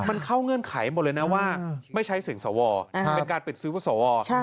มันเข้าเงื่อนไขหมดเลยนะว่าไม่ใช้เสียงสวเป็นการปิดซื้อว่าสว